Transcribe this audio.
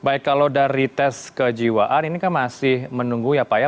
baik kalau dari tes kejiwaan ini kan masih menunggu ya pak ya